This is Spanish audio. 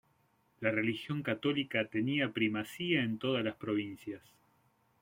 La religión católica tenía primacía en todas las provincias.